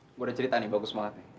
eh gua ada cerita nih bagus banget nih